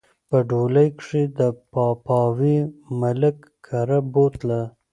په ډولۍ کښې د پاپاوي ملک کره بوتله